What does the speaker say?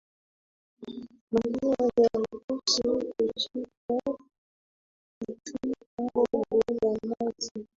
Maziwa ya Urusi hushika takriban robo ya maji